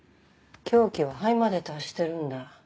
凶器は肺まで達してるんだ。